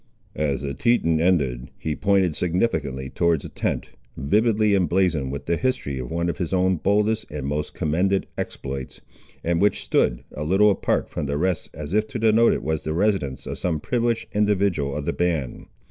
As the Teton ended, he pointed significantly towards a tent, vividly emblazoned with the history of one of his own boldest and most commended exploits, and which stood a little apart from the rest, as if to denote it was the residence of some privileged individual of the band.